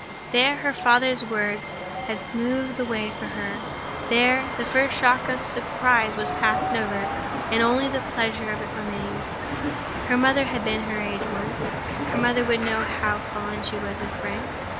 There, her father's words had smoothed the way for her; there, the first shock of the surprise was past and over, and only the pleasure of it remained. Her mother had been her age once; her mother would know how fond she was of Frank.